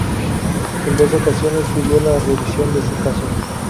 En dos ocasiones, pidió la revisión de su caso.